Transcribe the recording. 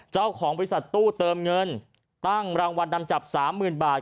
เจ้าของบริษัทตู้เติมเงินตั้งรางวัลนำจับสามหมื่นบาท